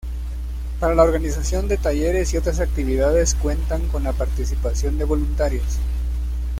Para la organización de talleres y otras actividades cuentan con la participación de voluntarios.